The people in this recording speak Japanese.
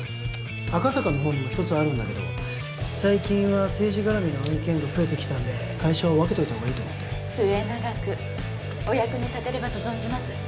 赤坂の方にも一つあるんだけど最近は政治絡みの案件が増えてきたんで会社を分けといた方がいいと思って末永くお役に立てればと存じます